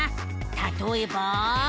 たとえば。